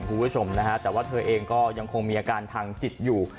คุณผู้ชมนะฮะแต่ว่าเธอเองก็ยังคงมีอาการทางจิตอยู่